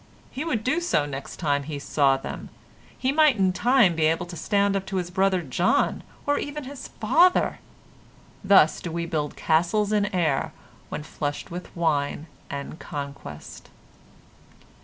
He would do so next time he saw them; he might in time be able to stand up to his brother John, or even his father. Thus do we build castles in air when flushed with wine and conquest.